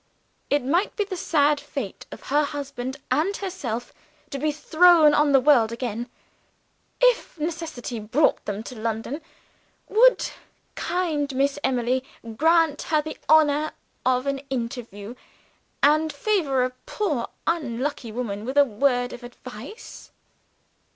It might be the sad fate of her husband and herself to be thrown on the world again. If necessity brought them to London, would "kind Miss Emily grant her the honor of an interview, and favor a poor unlucky woman with a word of advice?"